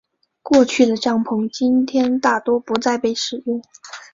过去的帐篷今天大多不再被使用。